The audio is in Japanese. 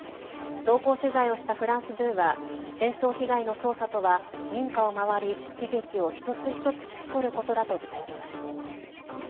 同行取材をしたフランス２は戦争被害の捜査とは民家を回り悲劇を一つ一つ聞き取ることだと伝えています。